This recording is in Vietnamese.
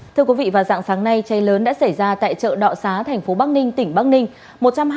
thưa quý vị vào dạng sáng nay cháy lớn đã xảy ra tại chợ đọ xá thành phố bắc ninh tỉnh bắc ninh